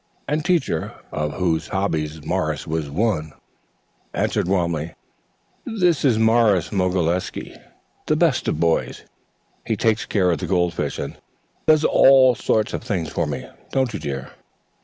And Teacher, of whose hobbies Morris was one, answered warmly: "That is Morris Mogilewsky, the best of boys. He takes care of the gold fish, and does all sorts of things for me. Don't you, dear?"